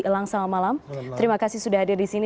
elang selamat malam terima kasih sudah hadir di sini